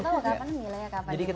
gak tau kapan milenya kapan dibuat